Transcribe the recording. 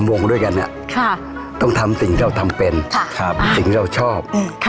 วงด้วยกันเนี่ยต้องทำสิ่งที่เราทำเป็นสิ่งที่เราชอบ